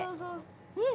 うん！